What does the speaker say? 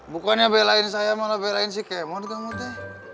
bukannya belain saya malah belain si kemot kamu teh